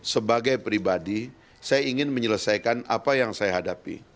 sebagai pribadi saya ingin menyelesaikan apa yang saya hadapi